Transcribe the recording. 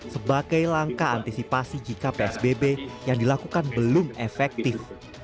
sebagai langkah antisipasi jika psbb yang dilakukan belum efektif